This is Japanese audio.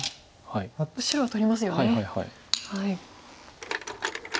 白は取りますよね。